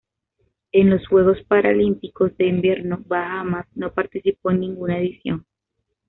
En los Juegos Paralímpicos de Invierno Bahamas no participó en ninguna edición.